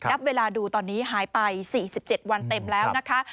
นับเวลาดูตอนนี้หายไป๔๗วันเต็มแล้วนะคะ